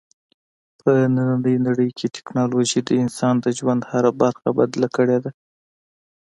په نننۍ نړۍ کې ټیکنالوژي د انسان د ژوند هره برخه بدله کړې ده.